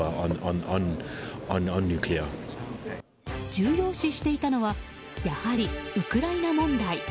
重要視していたのはやはりウクライナ問題。